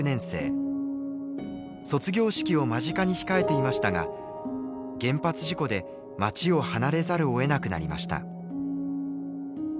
卒業式を間近に控えていましたが原発事故で町を離れざるをえなくなりました。